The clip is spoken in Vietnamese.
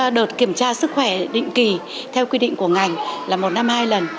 đợt kiểm tra sức khỏe định kỳ theo quy định của ngành là một năm hai lần